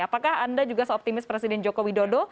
apakah anda juga seoptimis presiden jokowi dodo